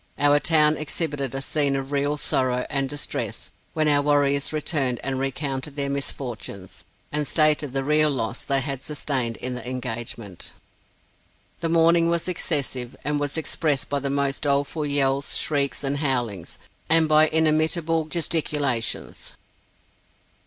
Our town exhibited a scene of real sorrow and distress, when our warriors returned and recounted their misfortunes, and stated the real loss they had sustained in the engagement. The mourning was excessive, and was expressed by the most doleful yells, shrieks, and howlings, and by inimitable gesticulations.